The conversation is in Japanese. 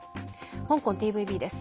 香港ＴＶＢです。